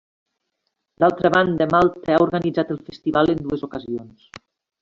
D'altra banda, Malta ha organitzat el festival en dues ocasions.